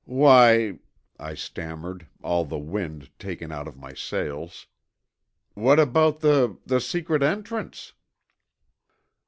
"Why," I stammered, all the wind taken out of my sails, "what about the the secret entrance?"